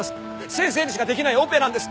先生にしかできないオペなんです。